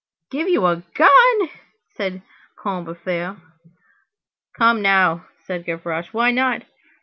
"Give you a gun!" said Combeferre. "Come now!" said Gavroche, "why not?